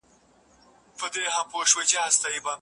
ایا لارښود او شاګرد په ګډه سره څېړنه کوي؟